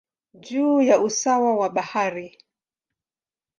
juu ya usawa wa bahari.